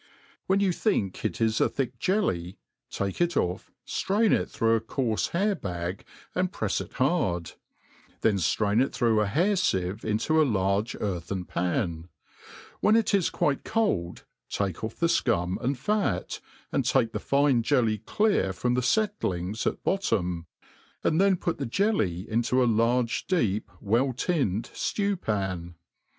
When you think it is a . thick jelly, take it off, ftrain jt through a coarfe hair bag, and pref^ it hard ; then ftrain it through a hair fieve into a large earthen pan; when it is quite cold, take ofF the fcum and fat^ and take the fine jelly clear from the fettlings at bottom, and then put the jelly into a large deep well tinned ftew pan.